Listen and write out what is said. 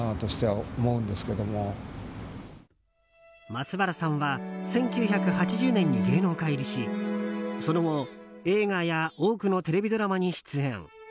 松原さんは１９８０年に芸能界入りしその後、映画や多くのテレビドラマに出演。